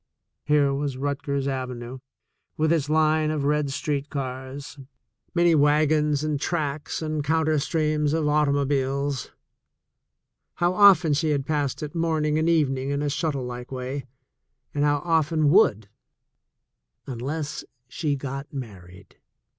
Here s Rutgers Avenue, with its line of red street cars, nv wagons and tracks and counter streams of autL ibiles — how often had she passed it morning and evening in a snuttle like way, and how often would, unless she got married!